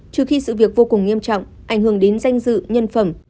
trừ khi sự việc vô cùng nghiêm trọng ảnh hưởng đến danh dự nhân phẩm